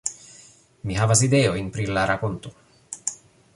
- Mi havas ideojn pri la rakonto